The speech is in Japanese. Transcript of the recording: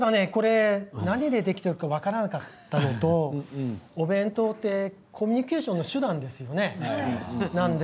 何でできているか分からなかったけどお弁当ってコミュニケーションの手段なんですよね。